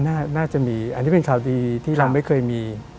น่าจะมีอันนี้เป็นข่าวดีที่เราไม่เคยมี